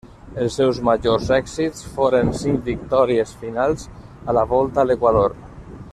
Els seus majors èxits foren cinc victòries finals a la Volta a l'Equador.